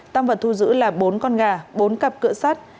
tam vật thu giữ là bốn con gà bốn cặp cửa sát